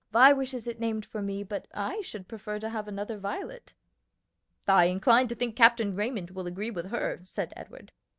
"Vi wishes it named for me, but I should prefer to have another Violet." "I incline to think Captain Raymond will agree with her," said Edward.